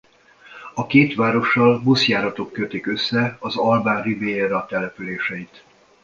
A két várossal buszjáratok kötik össze az Albán-Riviéra településeit.